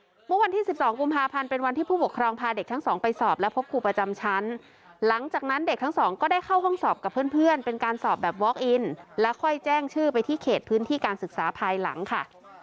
เมื่อวันที่๑๒กุมภาพันธ์เป็นวันที่ผู้ปกครองพาเด็กทั้งสองไปสอบและพบครูประจำชั้นหลังจากนั้นเด็กทั้งสองก็ได้เข้าห้องสอบกับเพื่อนเป็นการสอบแบบวอคอินแล้วค่อยแจ้งชื่อไปที่เขตพื้นที่การศึกษาภายหลังค่ะ